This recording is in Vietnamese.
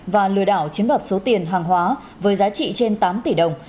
và lừa đảo chiếm đoạt số tiền hàng hóa với giá trị trên tám tỷ đồng